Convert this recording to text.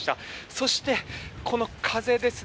そして、この風ですね。